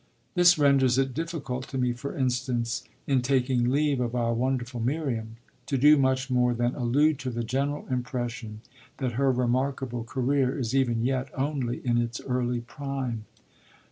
This renders it difficult to me, for instance, in taking leave of our wonderful Miriam, to do much more than allude to the general impression that her remarkable career is even yet only in its early prime.